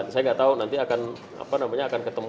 saya tidak tahu nanti akan